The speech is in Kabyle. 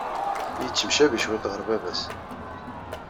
Yettemcabi cwiṭ ɣer baba-s.